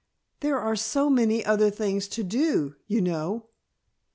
There are so many other things to do, you know."